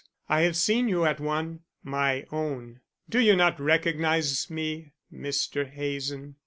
I have seen you at one, my own. Do you not recognize me, Mr. Hazen?"